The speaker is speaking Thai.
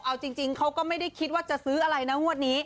เอาจริงเขาก็ไม่ได้คิดว่าจะซื้ออะไรนะงวดนี้